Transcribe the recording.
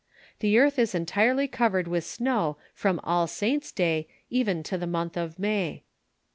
The earth is entirely covered with snow from All Saints' day even to the month of May.